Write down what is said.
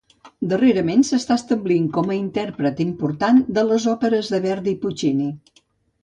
Darrerament s'està establint com a intèrpret important de les òperes de Verdi i Puccini.